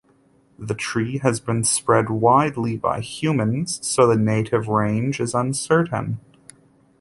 The tree has been spread widely by humans, so the native range is uncertain.